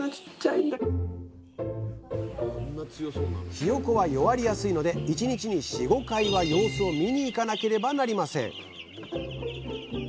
ひよこは弱りやすいので１日に４５回は様子を見に行かなければなりません